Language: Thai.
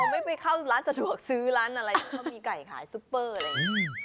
ไม่ไปเข้าร้านสะดวกซื้อร้านอะไรที่เขามีไก่ขายซุปเปอร์อะไรอย่างนี้